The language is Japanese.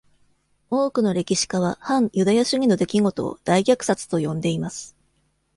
多くの歴史家は、反ユダヤ主義の出来事を「大虐殺」と呼んでいます。